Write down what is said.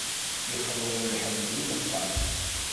Yexleḍ lḥeb d unexxal.